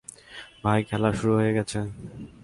ভাই, খেলা শুরু হয়ে গেছে।